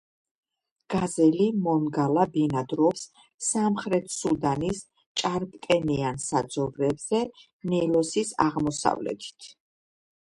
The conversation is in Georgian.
გაზელი მონგალა ბინადრობს სამხრეთ სუდანის ჭარბტენიან საძოვრებზე, ნილოსის აღმოსავლეთით.